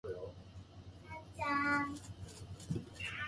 悪人などがはびこり、我がもの顔に振る舞うこと。